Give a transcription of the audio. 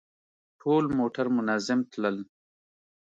ټول موټر منظم تلل.